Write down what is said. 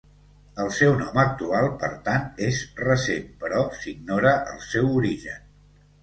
El seu nom actual, per tant, és recent però s'ignora el seu origen.